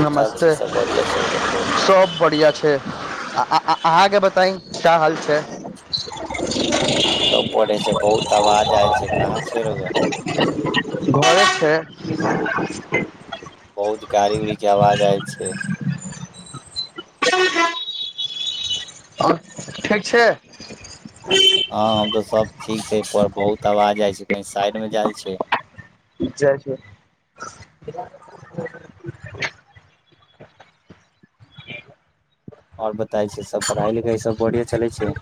नमस्ते, सब बढ़िया छै आ आ अहां के बताई क्या हाल छै। सब बढ़ै छै, बहुत आवाज आयल छै कहां छै रौआ घरे छै। बहुत गाड़ी उरी अवाज आइ छै। ह ह आब, ठीक छै। हां त सब ठीक छै पर बहुत आवाज आइ छै, कहीं साइडमे जाइ छै। जाइ छियै। ह और बत बताइ छै सब पढ़ाई लिखाई सब बढ़िेया चलै छै।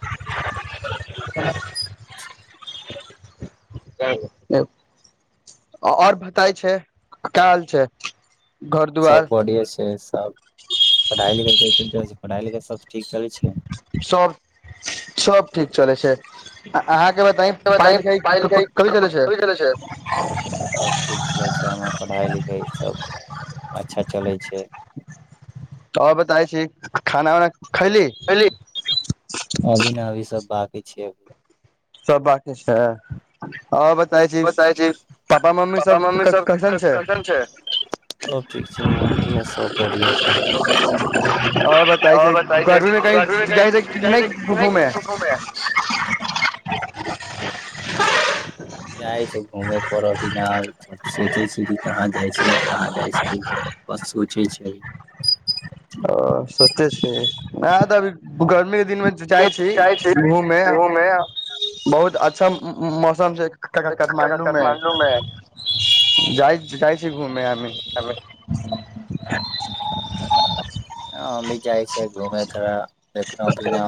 ह और बताइ छै का हाल छै? सब बढ़िए छै। तब पढ़ाइ लिखाइ केसन चलै छै पढ़ाइ लिखाई सब सब सब ठीक चलै छै अहां इ बताइ पढ़ाइ लिखाइ क-कते केने छै, सब ठीक चलै छै हम पढ़ाइ लिखाइ सब। अच्छा चलै छै तऽ आओर बताइ छी खाना उना खैली अभी न अभी सब बाँकी छै सब बांकी छै बताइ छी पापा मम्मी सब क-केसन छै सब ठीक छै सब बढ़ियाँ छै आओर बताइ गर्मी मे कहीं जाइ छै की नै घुमे जाइ छै घूमै पर अभी ना सोचै छै की कहाँ जाइ छै ने कहाँ जाइ छै बस सोचै छै ओ सोचे छै ना तऽ अभी गर्मी दिन मे जाइ छी घूमे बहुत अच्छा म-म-मौसम छै [unintelligible] जा जाइ छी घूमे [unintelligible] हँ हम भी जाइ छै घूमे थोड़ा लेकिन अभी न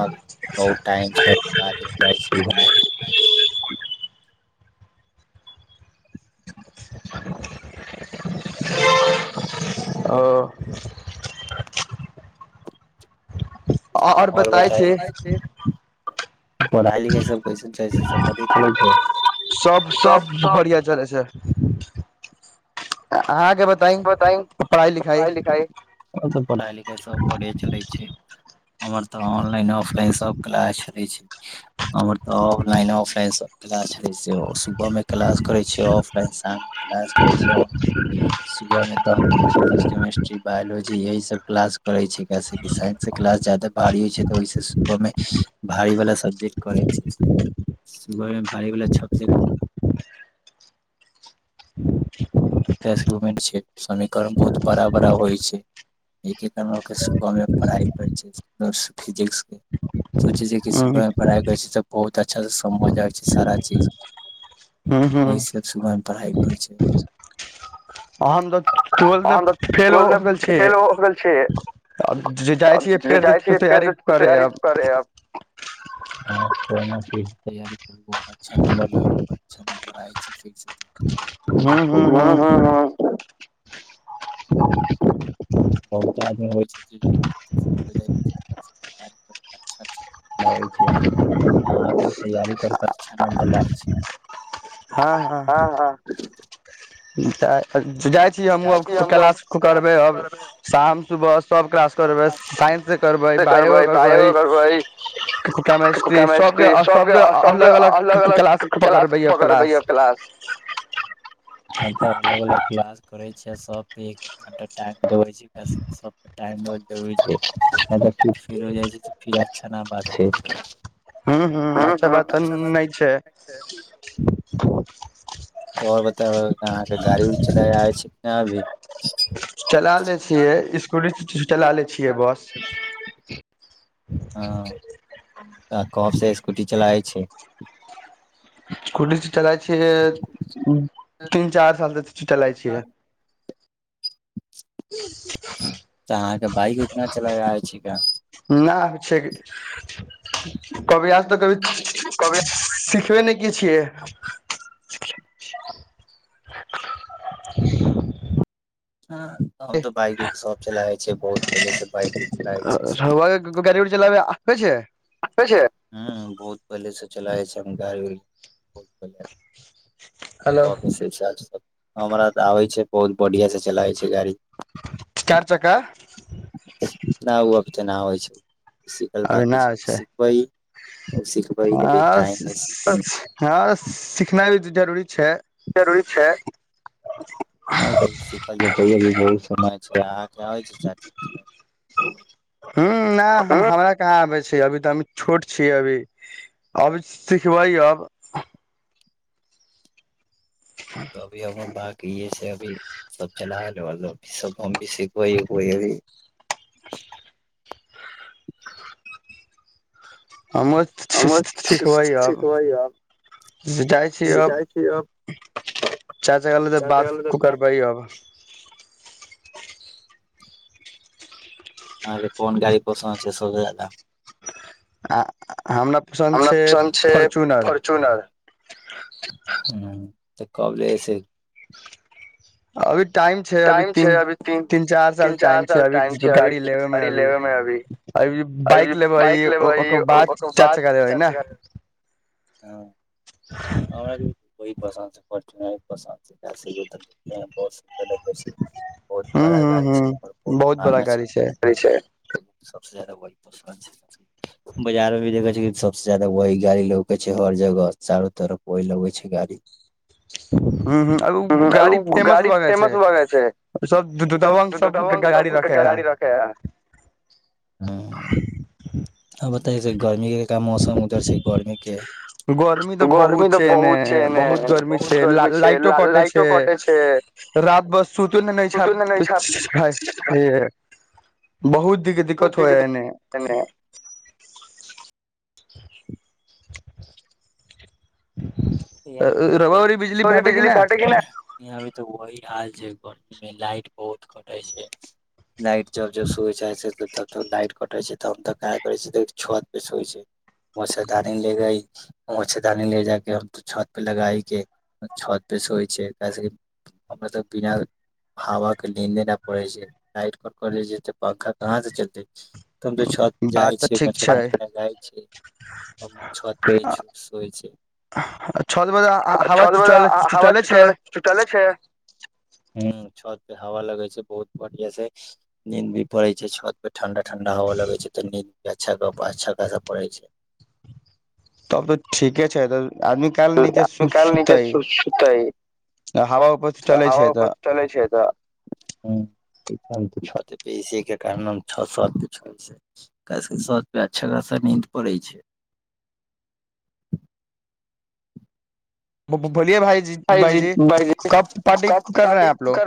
बहुत टाइम छै बादमे जाइ छी घूमे ओ [unintelligible] अ-आओर बताय छी पढ़ाइ लिखाइ सब कैसन चलै छै सब बढ़ियाँ चलै छै अ-आ बतांइ पढ़ाइ लिखाइ आओर सब पढ़ाइ लिखाइ सब बढ़ियाँ चलै छै हमर तऽ ऑनलाइन ऑफलाइन सब क्लास चलै छै [unintelligible] [unintelligible] जैसे सुबह मे क्लास करै छियै ऑफलाइन शाम मे क्लास करै छियै ओनलाइन सुबहमे तऽ हम केमिस्ट्री बायोलॉजी यही सब क्लास करै छै कैसेक की साइंसके क्लास ज्यदा भारी होइ छै तऽ ओहिसँ सुबहमे भारीवला सब्जेक्ट करै छै सुबहमे भारीवला सब्जेक्ट [unintelligible] इम्प्रूवमेंट छै समीकरण बहुत बड़ा बड़ा होइ छै एहिके कारण के सुबह मे पढ़ाइ होइ नर्स फिजिक्स के सोचे छै कि सुबह में पढ़ाइ करै छै त बहुत अच्छा समझ आबै छै, सारा जी ओहिसँ सुबहमे पढ़ाइ करै छै [unintelligible] केना कि तैयारी बहुत अच्छा नम्बर लाउ, अच्छा नम्बर पढ़ाई छै। [inaudible] उंह बहुते आदमी होइ छै तैयारी कर के अच्छा नंबर लाबै छै। हां हां इ त ज-जाइ छी हमहुं आब कि-किलास करबै अब शाम सुबह सब क्लास करबै साइंस के करबै बायो के करबै के-केमेस्ट्री, सबके - सबके अलग अलग किलास पकड़बै अब क्लास। हम त ल लेलहुं किलास। करय छै सब बेर अटैक। सब टाइम पर ज़रुरी छै नै त [inaudible] छै ना बात छै। हुं हुं अच्छा बात त नहि छै। [inaudible] और ब त अहांके गाड़ी उड़ी चलाबय आबै छै कि ने अभी। चला लै छियै, स्कुटी च-चला लै छियै बस। हां, त कोन सा स्कुटी चलाय छै। कुल [inaudible] चलाय छियै जे ती- तीन चार साल से च-चलाइ छियै। [inaudible] त अहांके बाइक उतना चलाबय आबै छै का। नै आबै छै कभी त कभी सि-सि-सिखबै नहि की छियै हां हम त बाइक उइक सब चलाबे छियै बहुत पहिले से बाइक चलाबै छै सब चलाबैए आबै छै। आबै छै ह्म्म बहुत पहिले से चलाए छै हम गाड़ी-उड़ी, बहुत [unintelligible] हमरा तऽ आबै छै बहुत बढ़ियाँ से चलाए छै गाड़ी। चारि चका नहि ओ उ ते ना आबै छै। सिखल बाकी छै, सीखबै। हाँ सी हाँ सीखना भी जरूरी जरूरी छै, हाँ सिखल [unintelligible] छै, अहाँ आबे छो चार चक्का चलाएब हाँ। छै, अभी तऽ हम छोट छियै अभी, अभी सिखबैय अब। त अभी हमर भाय की ऐसे अभी सब चलाल रहल लौ अभी सब हम भी सिखबै उखबै अभी। हमौ सी सिखबै आब, जाय छी अब ह चार टका लेते बात कुकरबैय अब। अहाँ के कोन गाड़ी पसन्द छै सबसे जादा। आ हमरा पसन्द छै फोर्चुनर। ह्म्म ते कब लै से। अभी टाइम छै अभी तीन, तीन-चार साल टाइम छै, अभी गाड़ी लेबे मे अभी, अभी बाइक लेबै ओ ओकर बाद चार चक्का लेबै ने। हाँ। हमरा भी वहि पसन्द छै, फोर्चुनरे पसन्द एता से एबै तखन ने। बोस। ह्म्म ह्म्म ह्म्म बहुत बड़ा गाड़ी छै। सबसे जादा वही पसन्द छै, बजार मे भी देखे छी की सबसे जादा वही गाड़ी लौके छै, हर जगह चारो तरफ वही लबै छै गाड़ी। ह्म्म ह्म्म अ उ गाड़ी फेमस भऽ जाय छै सब द दबंग सब के गाड़ी रखे हय। आ बताइ स गर्मी के तऽ मौसम उधर छै गर्मी के गर्मी तऽ बहुत छै एने बहुत गर्मी छै ल-लाइटो कटै छै राति भर सुतू ने छत बहुत कथि के दिक्कत होइ एने यहाँ भी त [unintelligible] बिजली फाटे की नहि यहां भी [unintelligible] तऽ वही हाल छै गर्मीमे लाइट बहुत कटै छै लाइट जब जब सुबह जाइ छै तब तब लाइट कटै छै तब हम तऽ का करै छी छत पे सुइय छै मच्छरदानी ले जाइ छी मच्छरदानी ले जाके हम तऽ छत पे लगाइ के छत पे सोइ छै काहे से की हमरा सभ बिना हवाके नींद ना पड़ै छै लाइट कट करै छै तऽ पंखा कहाँसे चलतै हम तऽ छत पे जाइ छियै मच्छरदानी लगाइ छियै छत पे सोइ छियै अ-छत पे ह-हवा चले चले छै हूँ छत पे हवा लगै छै बहुत बढ़िआँ से नींद भी पड़ै छै, छत पे ठण्डा ठंडा हवा लगै छै, तऽ नीन्द भी अच्छा अच्छा खासा पड़ै छै तब ठीके [unintelligible] [unintelligible] नींद पड़ै छै ब-ब [unintelligible] [unintelligible]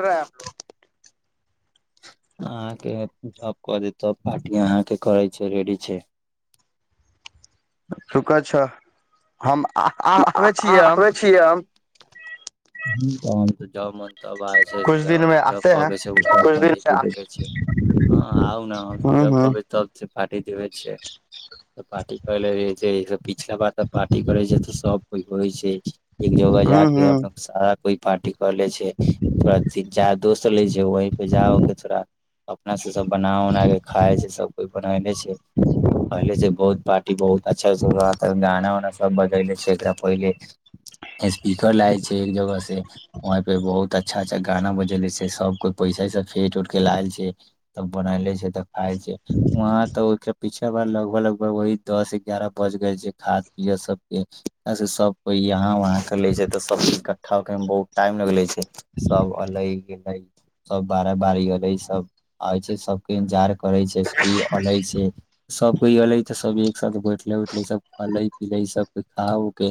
अहाँके जब कऽ दी तब पार्टी अहाँके करै छै रेडी छै रुकऽ छ हम [unintelligible] [unintelligible] तब आबै छै जॉन जब कहबै छै ओ देखे छियै अहाँ आउ न अहाँ जब कहबै तब से पार्टी देबै छिये पार्टी करै लाए इ सब पिछला बार तऽ पार्टी करे छै तऽ सब कोइ होइ छै एक जगह जाके अब आ कोइ पार्टी कर ले छिये थोड़ा तीन चार दोस्त सब ले छै वहीं पे जाओ के थोड़ा अपना स सब बना उना के खाइ छै सब कोइ बनाएले छै कहले छै बहुत पार्टी बहुत अच्छा गाना उना सब बजेयले छै, एकरा पहिले स्पीकर लाएल छै एक जगह से वहीं पे बहुत अच्छा अच्छा गाना बजेले छै सब कोइ पैसा उसा फेट उट के लाएल छै तब बनायले छै तऽ खाइ छै वहां तऽ ओकरा पीछे बा लगभग लगभग वहीं दस एगारह बज गेल छै, खात पियत सबके यहां से सब कोइ यहां वहाँ करले छै तऽ सब इकठ्ठा होके बहुत टाइम लगलै छै सब एलै गेलै सब बारा बारी एलै सब आबे छै, सबके इंजार करै छै इ एलै छै सब कोइ एलै तऽ सब एक साथ बैठलै उठलै सब खेलै पीलै सब कोइ खा उ के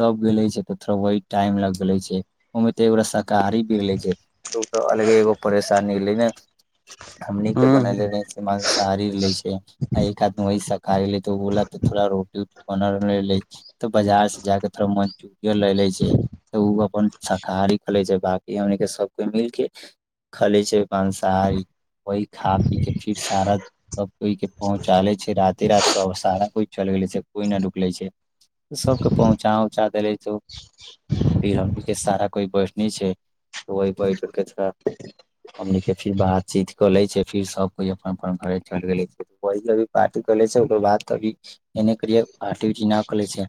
तब गेलै छै तऽ थोड़ा वहीं टाइम लग तऽ लै छै ओयमे तऽ एक गोटा शाकाहारी मिलै छै उ तऽ अलगे एगो परेशानी होलै न हमनी के बनाए लेने छै मन सारी लै छै आ एक आदमी वही शाकाहारी ले थोड़ा रोटी उटी बनल रहलै तऽ बाजार से जाके थोड़ा मंचूरियन ले लै छै तऽ ओ अपन शाकाहारी खैले छै बाकी हमनी के सभ कोइ मिल के खैले छै मांसाहारी ओहि खा पी के फिर सारा सब कोइ के पहुँचा लै छै राते राते सभ सारा कोइ चल गेलै छै कोइ नहि रुकले छै सबके पहुँचा उँहचा देले छै ओ फिर हमनी के सारा कोइ बैठने छै वहीं बैठ के थोड़ा हमनी के फिर बातचीत कऽ लै छै फिर सब कोइ अपन अपन घरे चलि गेलै छै वहीं तभी पार्टी कर ले छै ओकर बाद कभी इने करियै पार्टी उटी न कर ले छै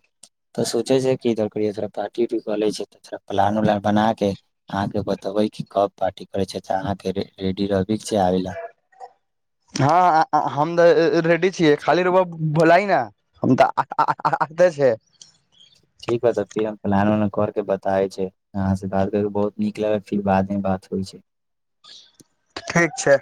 तऽ सोचे छै की इधर करियै थोड़ा पार्टी उटी कऽ लै छै तऽ थोड़ा प्लान उलान बना कऽ अहाँके बतबै की कब पार्टी करै छै तऽ अहाँके रेडी रहबै के छै आबे ला हाँ आ- आ-हमे रे- -ड्डी छियै खाली रोउवा बुलाइ ना हम तऽ आ-आ-आ-आबे छै ठीक बा तऽ फिर हम प्लान उलान करके बताए छै अहाँ से बात करके बहुत नीक लागल फिर बादमे बात होइ छै ठीक छै